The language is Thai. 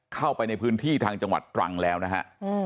เข้าไปในพื้นที่ทางจังหวัดตรังแล้วนะฮะ